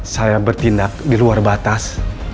saya bertindak di luar batas